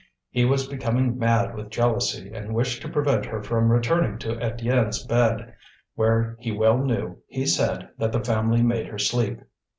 He was becoming mad with jealousy, and wished to prevent her from returning to Étienne's bed, where he well knew, he said, that the family made her sleep.